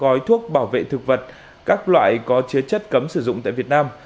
hai trăm linh gói thuốc bảo vệ thực vật các loại có chứa chất cấm sử dụng tại việt nam